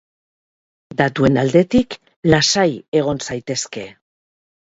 Datuen aldetik, lasai egon zaitezke.